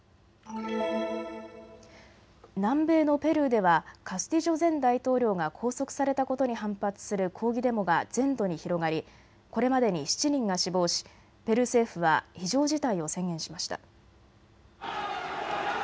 南米のペルーではカスティジョ前大統領が拘束されたことに反発する抗議デモが全土に広がり、これまでに７人が死亡しペルー政府は非常事態を宣言しました。